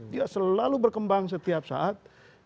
dia selalu berkembang setiap saat